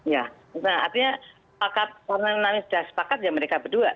ya artinya pakat karena sudah sepakat ya mereka berdua